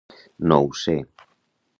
No ho sé